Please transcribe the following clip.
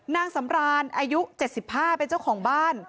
นางสำรานอายุ๗๕เป็นเจ้าของบ้าน